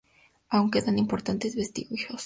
Aun quedan importantes vestigios.